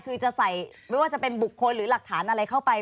คือจะใส่ไม่ว่าจะเป็นบุคคลหรือหลักฐานอะไรเข้าไป